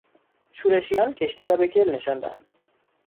شورشیان کشتی رابه گل نشاندند.